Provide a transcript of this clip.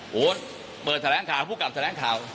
โหเปิดแสลงข่าวผู้กรรมแสลงข่าว